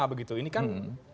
begitu ini kan